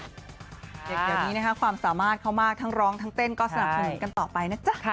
เด็กเดี๋ยวนี้นะคะความสามารถเขามากทั้งร้องทั้งเต้นก็สนับสนุนกันต่อไปนะจ๊ะ